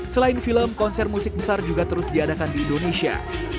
selain film konser musik besar juga terus diadakan di indonesia